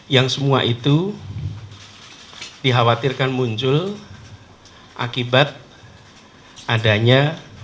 yang semua itu dikhawatirkan muncul akibat adanya